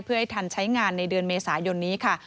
เพื่อให้ทันใช้งานในเดือนเมษายนนี้ค่ะ